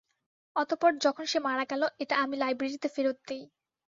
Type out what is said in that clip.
অতঃপর যখন সে মারা গেল, এটা আমি লাইব্রেরিতে ফেরত দিই।